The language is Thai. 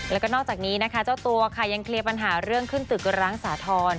แล้วก็นอกจากนี้นะคะเจ้าตัวค่ะยังเคลียร์ปัญหาเรื่องขึ้นตึกร้างสาธรณ์